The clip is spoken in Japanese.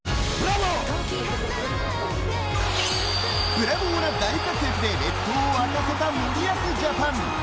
ブラボーな大活躍で列島を沸かせた森保ジャパン。